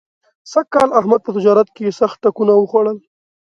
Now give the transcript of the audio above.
سږ کال احمد په تجارت کې سخت ټکونه وخوړل.